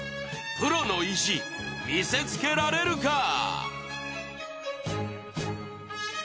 プロの意地見せつけられるか？